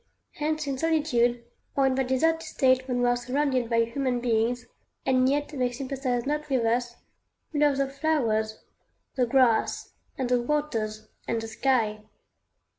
Hence in solitude, or in that deserted state when we are surrounded by human beings, and yet they sympathize not with us, we love the flowers, the grass, and the waters, and the sky.